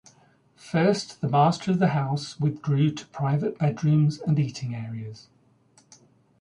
First the master of the house withdrew to private bedrooms and eating areas.